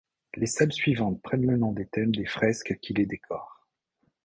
Les salles suivantes prennent le nom des thèmes des fresques qui les décorent.